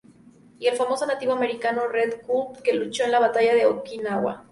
Y al famoso nativo americano Red Could que luchó en la batalla de Okinawa.